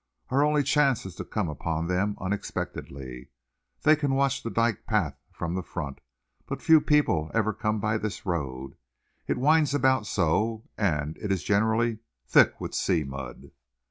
Our only chance is to come upon them unexpectedly. They can watch the dyke path from the front, but few people ever come by this road. It winds about so, and it is generally thick with sea mud."